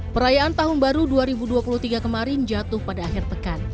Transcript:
perayaan tahun baru dua ribu dua puluh tiga kemarin jatuh pada akhir pekan